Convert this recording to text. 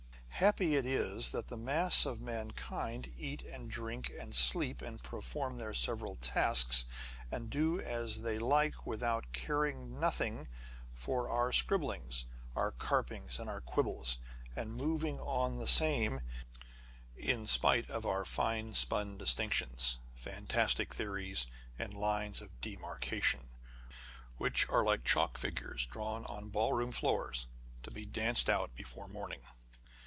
Happy is it, that the mass of mankind eat and drink, and sleep, and perform their several tasks, and do as they like with out us â€" caring nothing for our scribblings, our carpings, and our quibbles ; and moving on the same, in spite of our fine spun distinctions, fantastic theories, and lines of demarcation, which are like chalk figures drawn on ball room floors to be danced out before morning